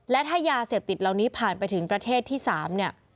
และถ้ายาเสพติดเหล่านี้ผ่านไปถึงประเทศที่๓เนี่ย